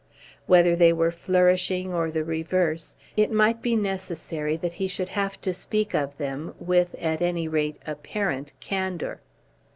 Whether they were flourishing or the reverse, it might be necessary that he should have to speak of them, with, at any rate, apparent candour.